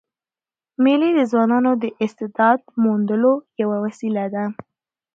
مېلې د ځوانانو د استعداد موندلو یوه وسیله ده.